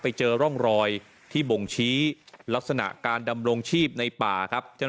ไปเจอร่องรอยที่บ่งชี้ลักษณะการดำรงชีพในป่าครับ